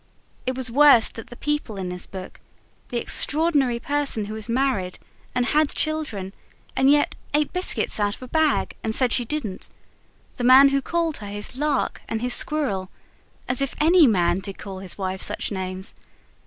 It was worse that the people in this book the extraordinary person who was married, and had children, and yet ate biscuits out of a bag and said she didn't; the man who called her his lark and his squirrel as if any man ever did call his wife such names!